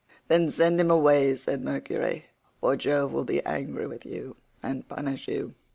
"Then send him away," said Mercury, "or Jove will be angry with you and punish you".